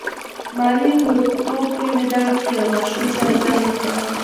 مالې وړوکتوب کې مې دغسې يو ماشوم سره جنګ وکه.